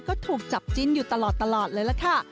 ก็ถูกจับจิ้นอยู่ตลอดเลยล่ะค่ะ